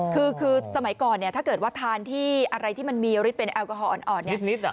คือสมัยก่อนเนี่ยถ้าเกิดว่าทานที่อะไรที่มันมีฤทธิเป็นแอลกอฮอลอ่อนเนี่ย